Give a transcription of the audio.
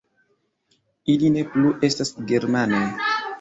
Ili ne plu estas germanoj